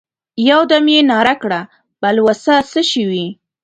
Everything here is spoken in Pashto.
يودم يې ناره کړه: بلوڅه! څه شوې؟